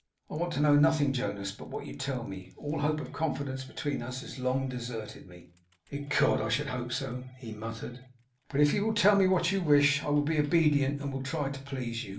'I want to know nothing, Jonas, but what you tell me. All hope of confidence between us has long deserted me!' 'Ecod, I should hope so!' he muttered. 'But if you will tell me what you wish, I will be obedient and will try to please you.